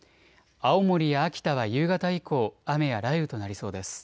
青森や秋田は夕方以降、雨や雷雨となりそうです。